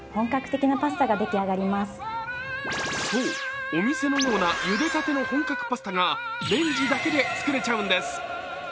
そう、お店のような茹でたての本格パスタがレンジだけで作れちゃうんです。